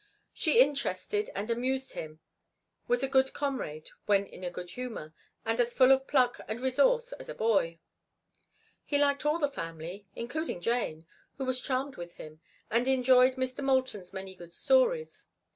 She interested and amused him, was a good comrade when in a good humor, and as full of pluck and resource as a boy. He liked all the family, including Jane, who was charmed with him, and enjoyed Mr. Moulton's many good stories.